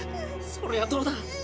それがどうだ。